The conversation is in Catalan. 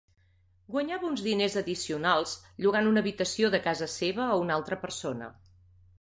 Guanyava uns diners addicionals llogant una habitació de casa seva a una altra persona